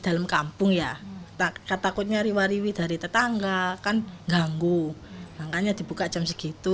dalam kampung ya tak takutnya riwariwi dari tetangga kan ganggu makanya dibuka jam segitu